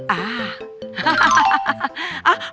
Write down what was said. อ้าว